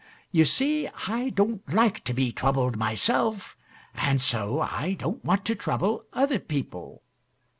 You see, I don't like to be troubled myself, and so I don't want to trouble other people.